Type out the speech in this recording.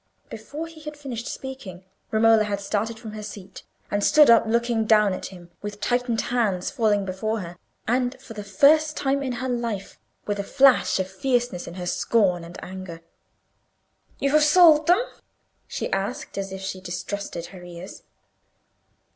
Before he had finished speaking, Romola had started from her seat, and stood up looking down at him, with tightened hands falling before her, and, for the first time in her life, with a flash of fierceness in her scorn and anger. "You have sold them?" she asked, as if she distrusted her ears.